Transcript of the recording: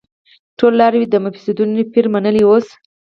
ټولو لاروی د مفسيدينو پير منلی اوس